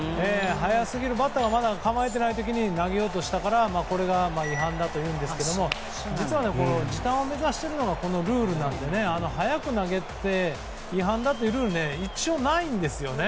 バッターがまだ構えていない時に投げたので違反ということですが時短を目指しているのがこのルールなので早く投げて違反だというルールは一応、ないんですよね。